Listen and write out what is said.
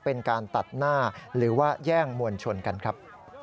เป็นการตัดหน้าหรือว่าแย่งมวลชนกันครับ